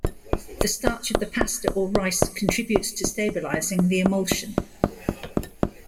The starch of the pasta or rice contributes to stabilizing the emulsion.